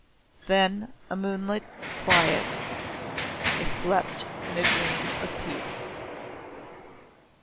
Then a moonlit quiet I slept in a dream of peace.